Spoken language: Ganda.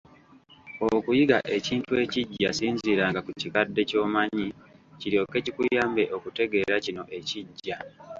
Okuyiga ekintu ekiggya, ssinziiranga ku kikadde ky'omanyi, kiryoke kikuyambe okutegeera Kino ekiggya.